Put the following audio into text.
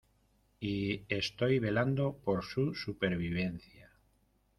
y estoy velando por su supervivencia.